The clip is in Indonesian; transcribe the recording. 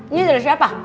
ini dari siapa